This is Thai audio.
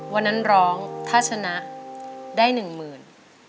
วันนั้นร้องถ้าชนะได้หนึ่งหมื่น